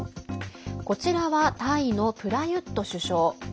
こちらは、タイのプラユット首相。